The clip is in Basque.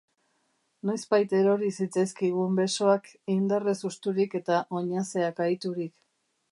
Noizbait erori zitzaizkigun besoak, indarrez husturik eta oinazeak ahiturik.